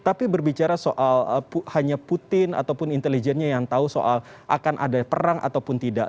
tapi berbicara soal hanya putin ataupun intelijennya yang tahu soal akan ada perang ataupun tidak